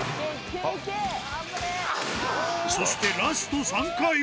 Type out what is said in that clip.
そしてラスト３回目。